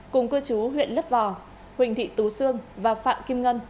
cùng cư chú huyện lớp vò huỳnh thị tú sương và phạm kim ngân